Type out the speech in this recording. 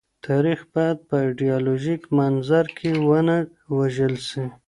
تاریخ باید په ایډیالوژیک منظر کي ونه وژل سي.